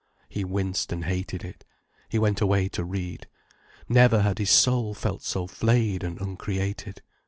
He winced and hated it. He went away to read. Never had his soul felt so flayed and uncreated.